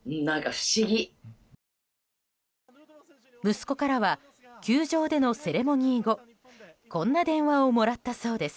息子からは球場でのセレモニー後こんな電話をもらったそうです。